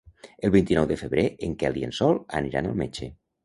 El vint-i-nou de febrer en Quel i en Sol aniran al metge.